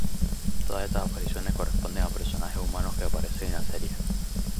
Todas estas apariciones corresponden a personajes humanos que aparecen en la serie.